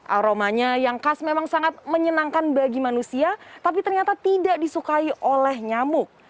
aromanya yang khas memang sangat menyenangkan bagi manusia tapi ternyata tidak disukai oleh nyamuk